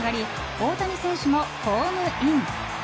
大谷選手もホームイン。